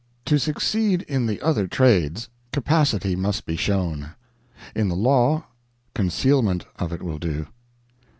To succeed in the other trades, capacity must be shown; in the law, concealment of it will do.